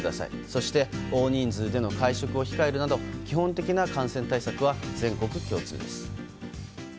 そして大人数での会食を控えるなど基本的な感染対策は全国共通です。